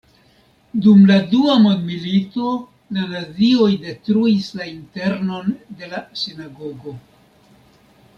Dum la dua mondmilito la nazioj detruis la internon de la sinagogo.